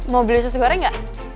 mau beli usus goreng gak